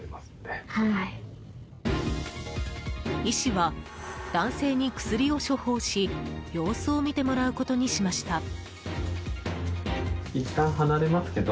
医師は、男性に薬を処方し様子を見てもらうことにしました。